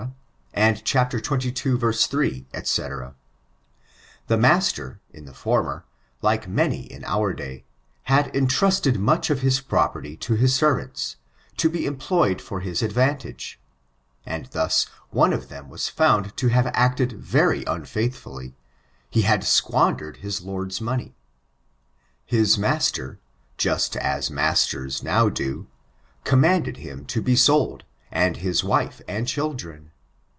and xxii. S, i/ic The master, in the former, like many in our day, had entrusted much of his property to his servants, to be employed for bis advantage ; and thus, one of them was found to have acted very un£aithfully ^be liad squandered his lord's money, ^i8 master, just as masters nr>w do, commanded him to be sold, and hm wile and chiklren.